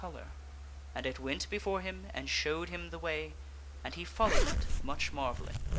color, and it went before him and showed him the way, and he followed it, much marvelling.